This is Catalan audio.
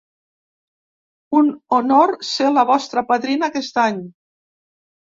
Un honor ser la vostra padrina aquest any.